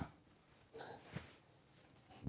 ครับ